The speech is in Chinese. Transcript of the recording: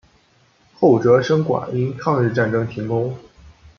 后哲生馆因抗日战争停工。